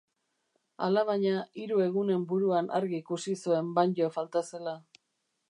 Alabaina, hiru egunen buruan argi ikusi zen Banjo falta zela.